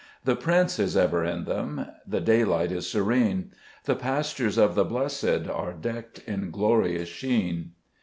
The Prince is ever in them, The daylight is serene ; The pastures of the blessed Are decked in glorious sheen.